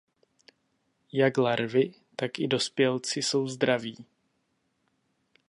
Jak larvy tak i dospělci jsou draví.